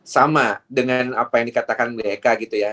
sama dengan apa yang dikatakan mereka gitu ya